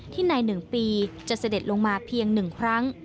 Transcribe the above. ที่ในหนึ่งปีจะเสด็จลงมาเพียงหนึ่งครั้ง